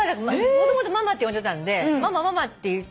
もともとママって呼んでたんで「ママ」「ママ」って。